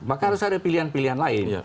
maka harus ada pilihan pilihan lain